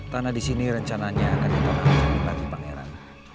tanah disini rencananya akan ditanahkan lagi pangeran